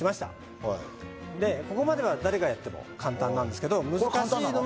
ここまでは誰がやっても簡単なんですけどこれ簡単なの？